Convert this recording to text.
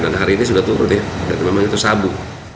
dan hari ini sudah turun ya dan memang itu sabu